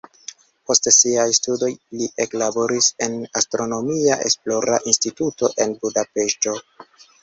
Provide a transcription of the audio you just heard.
Post siaj studoj li eklaboris en astronomia esplora instituto en Budapeŝto.